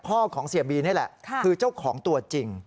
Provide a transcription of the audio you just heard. ของเสียบีนี่แหละคือเจ้าของตัวจริง